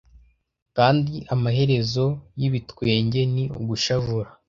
kandi amaherezo y’ibitwenge ni ugushavura